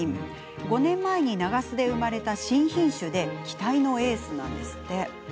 ５年前に長洲で生まれた新品種で期待のエースです。